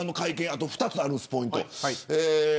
あと２つあるんです、ポイント。